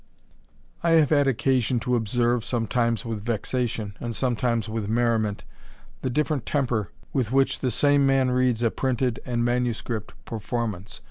I have had occasion to observe, sometimes with vexation, and sometimes with merriment, the different temper with which the same man reads a printed and manuscript performance.